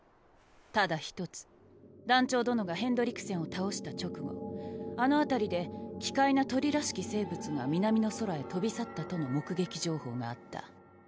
ただ一つ団長殿がヘンドリクセンを倒した直後あの辺りで奇怪な鳥らしき生物が南の空へ飛び去ったとの目撃情報があった。